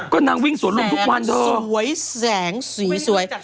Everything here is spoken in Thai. ก็นั่งวิ่งสวนรุ่นทุกวันเถอะแสงสวยสีสวย